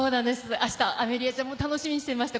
あした、アメリアちゃんも楽しみにしていました。